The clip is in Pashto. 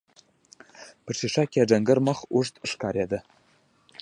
په ښيښه کې يې ډنګر مخ اوږد ښکارېده.